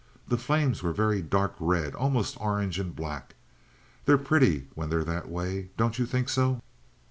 The flames were a very dark red—almost orange and black. They're pretty when they're that way—don't you think so?"